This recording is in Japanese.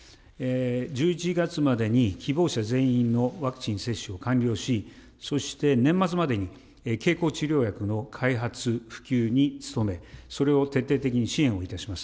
１１月までに希望者全員のワクチン接種を完了し、そして年末までに、経口治療薬の開発、普及に努め、それを徹底的に支援をいたします。